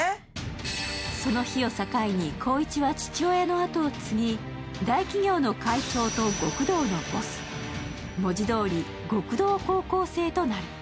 その日を境に光一は父親の後を継ぎ、大企業の会長と極道のボス、文字どおり、極道高校生となる。